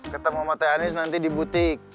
ketemu sama tee anis nanti di butik